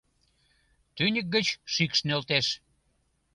Тӱньык гыч шикш нӧлтеш.